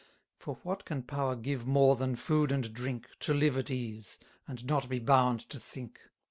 For what can power give more than food and drink, To live at ease, and not be bound to think?